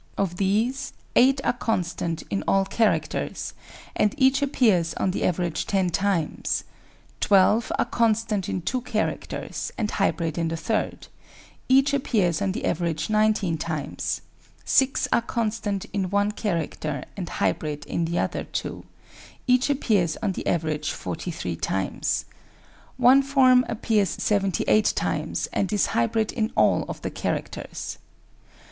Of these 8 are constant in all characters, and each appears on the average 10 times; 12 are constant in two characters, and hybrid in the third; each appears on tin average 19 times; 6 are constant in one character and hybrid in the other two; each appears on the average 43 times. One form appears 78 times and is hybrid in all of the characters.